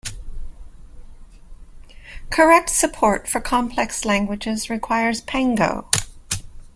Correct support for complex languages requires Pango.